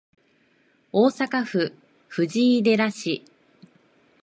大阪府藤井寺市